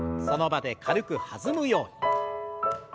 その場で軽く弾むように。